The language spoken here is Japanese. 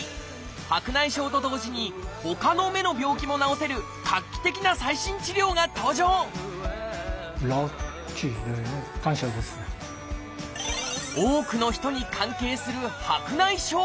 白内障と同時にほかの目の病気も治せる画期的な最新治療が登場多くの人に関係する白内障。